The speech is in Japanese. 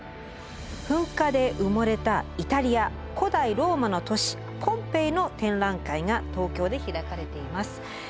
噴火で埋もれたイタリア古代ローマの都市ポンペイの展覧会が東京で開かれています。